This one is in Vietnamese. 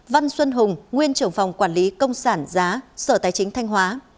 văn xuân hùng nguyên trưởng phòng quản lý công sản giá sở tài chính thanh hóa